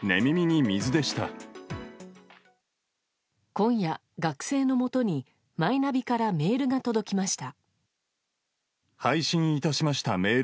今夜、学生のもとにマイナビからメールが届きました。